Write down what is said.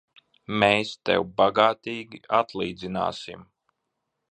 Mēs tev bagātīgi atlīdzināsim!